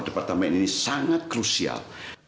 departemen ini sangat krusial